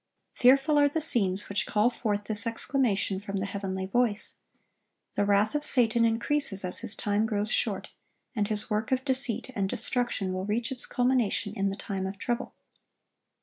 (1064) Fearful are the scenes which call forth this exclamation from the heavenly voice. The wrath of Satan increases as his time grows short, and his work of deceit and destruction will reach its culmination in the time of trouble.